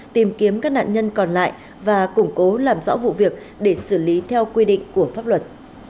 tìm kiếm các nạn nhân còn lại và củng cố làm rõ vụ việc để xử lý theo quy định của pháp luật